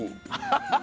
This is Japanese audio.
ハハハハ！